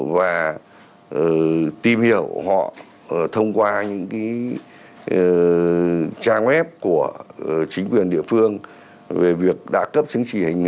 và tìm hiểu họ thông qua những trang web của chính quyền địa phương về việc đã cấp chứng chỉ hành nghề